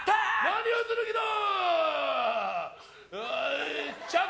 何をする気だ？